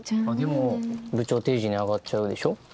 あっでも部長定時に上がっちゃうでしょ？